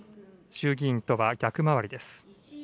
衆議院とは逆回りです。